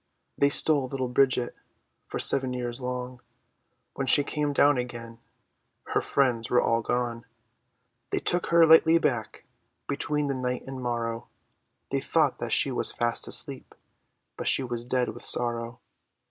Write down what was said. They stole little Bridget For seven years long; When she came down again Her friends were all gone. They took her lightly back, Between the night and morrow, They thought that she was fast asleep, But she was dead with sorrow.